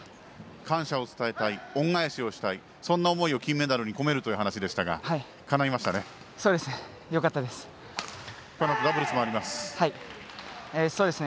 感謝を伝えたい恩返しをしたいそんな思いを金メダルに込めるという話でしたが、かないましたね。